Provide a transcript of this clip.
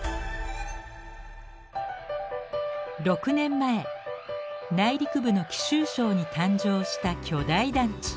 ６年前内陸部の貴州省に誕生した巨大団地。